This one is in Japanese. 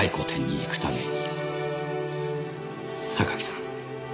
榊さん。